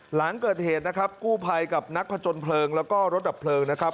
หลังเกิดเหตุนะครับกู้ภัยกับนักผจญเพลิงแล้วก็รถดับเพลิงนะครับ